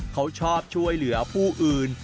เขาชอบช่วยเหลือผู้อื่น